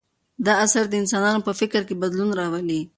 دا اثر د انسانانو په فکر کې بدلون راولي.